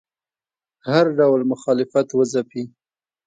هر ډول مخالفت وځپي